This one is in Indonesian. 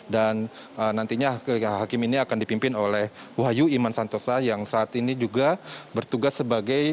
dan nantinya hakim ini akan dipimpin oleh wahyu iman santosa yang saat ini juga bertugas sebagai